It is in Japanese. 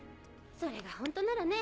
それがホントならね。